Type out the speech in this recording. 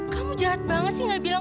kamu jahat banget sih gak bilang